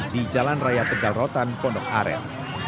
di jalan raya tegal rotan pondok aren